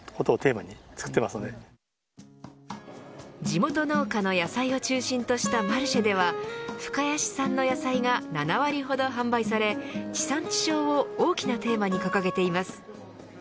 地元農家の野菜を中心としたマルシェでは深谷市産の野菜が７割ほど販売され地産地消を大きなテーマに掲げています。